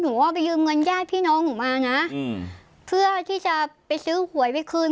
ว่าไปยืมเงินญาติพี่น้องหนูมานะอืมเพื่อที่จะไปซื้อหวยไปคืน